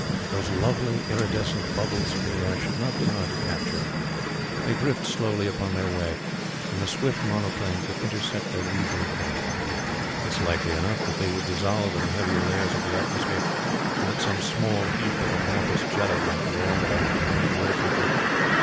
Those lovely iridescent bubbles of the air should not be hard to capture. They drift slowly upon their way, and the swift monoplane could intercept their leisurely course. It is likely enough that they would dissolve in the heavier layers of the atmosphere, and that some small heap of amorphous jelly might be all that I should bring to earth with me.